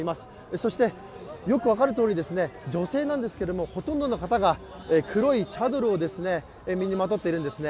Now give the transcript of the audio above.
そしてよく分かるとおり女性なんですけれどもほとんどの方が黒いチャドルを身にまとっているんですね。